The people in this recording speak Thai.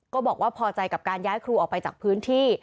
บอกว่าพอใจกับการย้ายครูออกไปจากพื้นที่